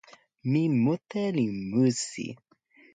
mi mute li musi.